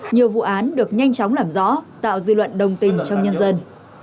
nhiều vụ án được nhanh chóng làm rõ tạo dư luận đồng tình trong nhân dân